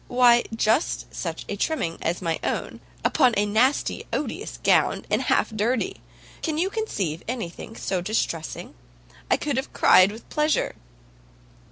Why, just such a trimming as my own, upon a nasty, odious gown, and half dirty! Can you conceive anything so distressing? I could have cried with pleasure."